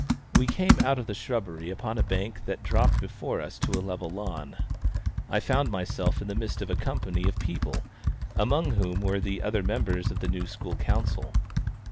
We came out of the shrubbery upon a bank that dropped before us to a level lawn. I found myself in the midst of a company of people among whom were the other members of the new School Council.